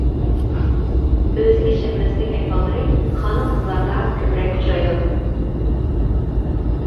ئۆزىگە ئىشەنمەسلىك ئەھۋاللىرى خانىم-قىزلاردا كۆپرەك ئۇچرايدۇ.